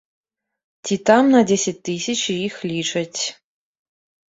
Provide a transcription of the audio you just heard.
Ці там на дзесяць тысяч іх лічаць.